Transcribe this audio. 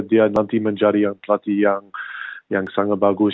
dia nanti mencari pelatih yang sangat bagus